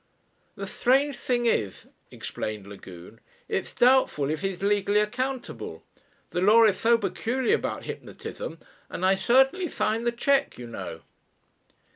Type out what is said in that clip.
"The strange thing is," explained Lagune, "it's doubtful if he's legally accountable. The law is so peculiar about hypnotism and I certainly signed the cheque, you know."